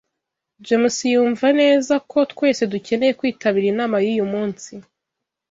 James yumva neza ko twese dukeneye kwitabira inama yuyu munsi.